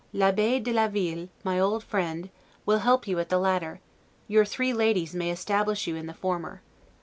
L'Abbe de la Ville, my old friend, will help you at the latter; your three ladies may establish you in the former.